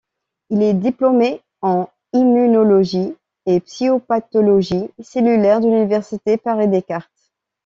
Il est diplômé en Immunologie et Physiopathologie cellulaire de l’Université Paris Descartes.